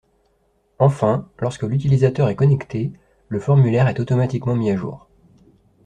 Enfin, lorsque l'utilisateur est connecté le formulaire est automatiquement mis à jour.